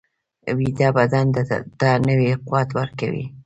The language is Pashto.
ویده بدن ته نوی قوت ورکوي